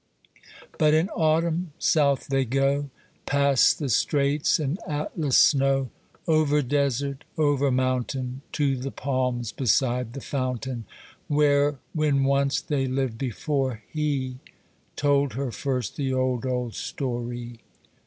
But in autumn south they go Past the Straits and Atlas' snow, Over desert, over mountain, To the palms beside the fountain, Where, when once they lived before, he Told her first the old, old story.